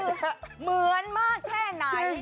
เหมือนมากแค่ไหน